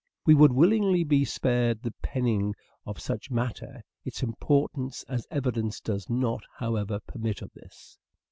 We would willingly be spared the penning of such matter : its importance as evidence does not, however, permit of this.